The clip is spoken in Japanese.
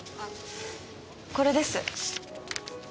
これです。